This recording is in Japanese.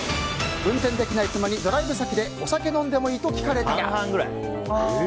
運転ができない妻にドライブ先でお酒飲んでもいい？と聞かれたら。